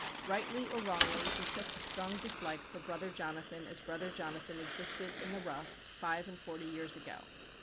Rightly or wrongly, he took a strong dislike for Brother Jonathan as Brother Jonathan existed, in the rough, five and forty years ago.